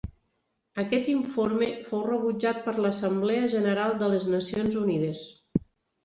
Aquest informe fou rebutjat per l'Assemblea general de les Nacions Unides.